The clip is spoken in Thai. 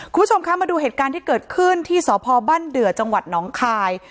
คุณผู้ชมคะมาดูเหตุการณ์ที่เกิดขึ้นที่สพบ้านเดือจังหวัดน้องคาย